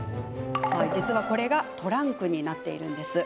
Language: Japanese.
実は、これがトランクになってるんです。